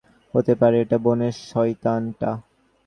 হতে পারে এটা বনের শয়তান টা।